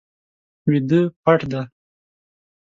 ویده پټ دی